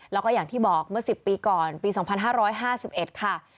แล้วก็อย่างที่บอกเมื่อสิบปีก่อนปีสองพันห้าร้อยห้าสิบเอ็ดค่ะ